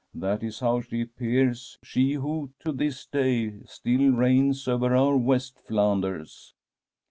That is how she appears, she who to this day still reigns over our West Flanders.